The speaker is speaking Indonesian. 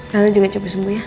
tante juga coba sembuh ya